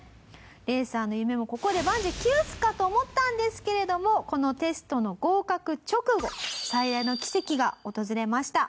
レーサーの夢もここで万事休すか！？と思ったんですけれどもこのテストの合格直後最大の奇跡が訪れました。